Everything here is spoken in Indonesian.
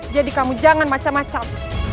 jadi kamu jangan macam macam